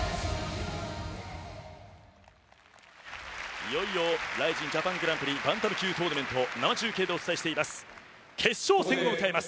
いよいよＲＩＺＩＮＪＡＰＡＮＧＰバンタム級トーナメント生中継でお伝えしています。